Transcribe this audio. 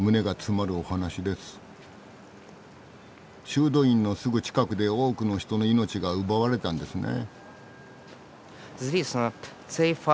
修道院のすぐ近くで多くの人の命が奪われたんですね。